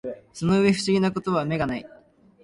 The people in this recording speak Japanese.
その上不思議な事は眼がない